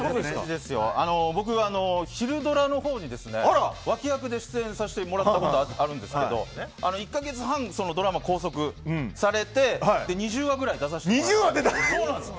僕、昼ドラのほうに脇役で出演させてもらったことがあるんですが１か月半拘束されて２０話ぐらい出させていただいたんです。